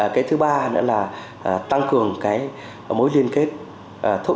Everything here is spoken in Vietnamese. cái thứ ba nữa là tăng cường mối liên kết